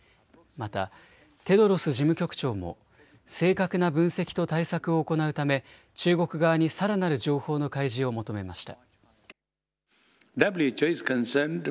またテドロス事務局長も正確な分析と対策を行うため中国側にさらなる情報の開示を求めました。